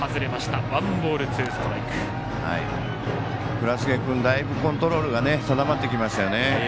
倉重君だいぶ、コントロールが定まってきましたよね。